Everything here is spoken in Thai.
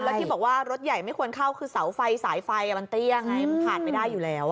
แล้วที่บอกว่ารถใหญ่ไม่ควรเข้าคือเสาไฟสายไฟมันเตี้ยไงมันผ่านไปได้อยู่แล้ว